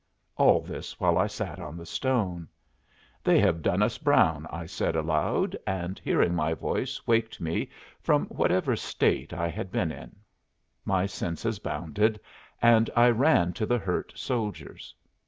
'" All this while I sat on the stone. "They have done us brown," I said aloud, and hearing my voice waked me from whatever state I had been in. My senses bounded, and I ran to the hurt soldiers.